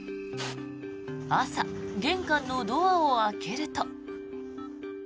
朝、玄関のドアを開けると。